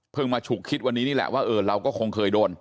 มาฉุกคิดวันนี้นี่แหละว่าเออเราก็คงเคยโดน